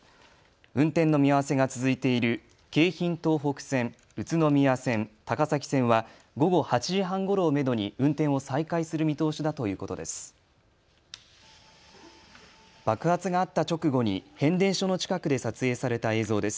運転の見合わせが続いている京浜東北線、宇都宮線、高崎線は午後８時半ごろをめどに運転を再開する見通しだということです。